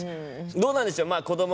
どうなんでしょうこども